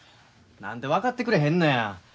何で分かってくれへんのや。